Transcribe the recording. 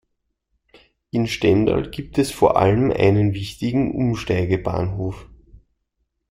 In Stendal gibt es vor allem einen wichtigen Umsteigebahnhof.